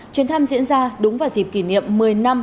chuyến thăm diễn ra đúng vào dịp kỷ niệm một mươi năm